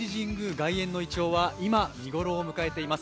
外苑のいちょうは今、見頃を迎えています。